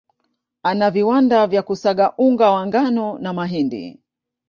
Ana viwanda vya kusaga unga wa ngano na mahindi